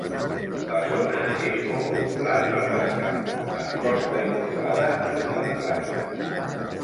La zona és molt popular per pescar esports d'aigua salada i anar de platja.